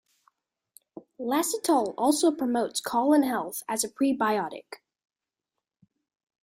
Lactitol also promotes colon health as a prebiotic.